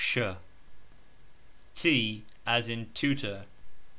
......... As in tutor